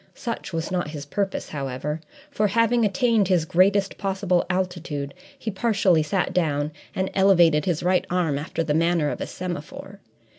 Such was not his purpose, however, for, having attained his greatest possible altitude, he partially sat down and elevated his right arm after the manner of a semaphore.